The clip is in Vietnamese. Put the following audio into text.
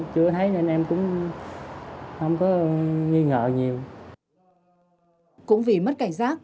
cũng vì mất cảnh giác